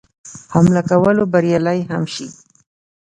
حمله کولو بریالی هم شي.